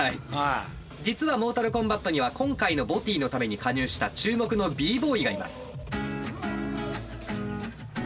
実はモータルコンバットには今回のＢＯＴＹのために加入した注目のＢ−ＢＯＹがいます。